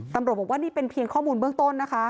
ตำรวจบอกว่านี่เป็นเพียงข้อมูลเบื้องต้นนะคะ